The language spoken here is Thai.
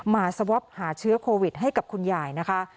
มาสวับหาเชื้อโควิดให้กับคุณใหญ่นะคะ